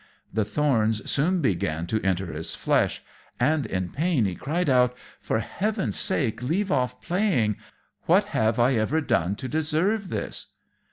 The thorns soon began to enter his flesh, and, in pain, he cried out "For heaven's sake, leave off playing! What have I done to deserve this?"